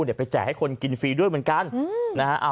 เดี๋ยวไปแจกให้คนกินฟรีด้วยเหมือนกันนะฮะ